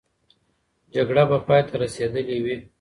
جګړه به پای ته رسېدلې وي.